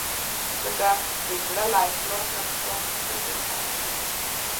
ځکه د زړه له اخلاصه ستا کوټې ته راغلم.